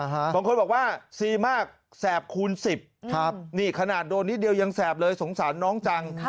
บางคนบอกว่าซีมากแสบคูณ๑๐นี่ขนาดโดนนิดเดียวยังแสบเลยสงสารน้องจัง